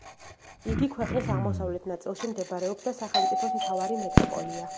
იგი ქვეყნის აღმოსავლეთ ნაწილში მდებარეობს და სახელმწიფოს მთავარი მეტროპოლია.